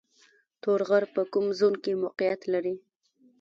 تور غر په کوم زون کې موقعیت لري؟